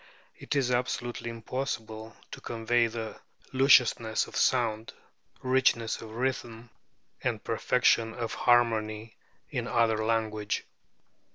It is absolutely impossible to convey the lusciousness of sound, richness of rhythm, and perfection of harmony in another language."